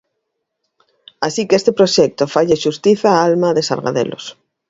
Así que este proxecto faille xustiza á alma de Sargadelos.